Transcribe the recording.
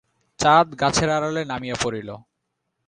চাঁদ গাছের আড়ালে নামিয়া পড়িল।